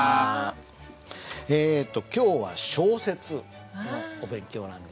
えっと今日は小説のお勉強なんですが。